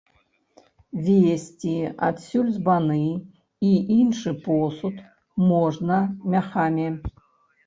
Везці адсюль збаны і іншы посуд можна мяхамі.